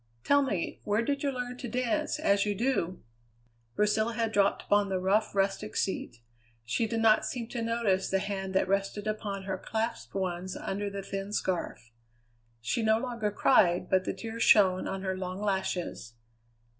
Tell me, where did you learn to dance as you do?" Priscilla had dropped upon the rough rustic seat; she did not seem to notice the hand that rested upon her clasped ones under the thin scarf. She no longer cried, but the tears shone on her long lashes.